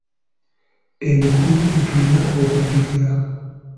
Ebikulu bye tulina okujjukira.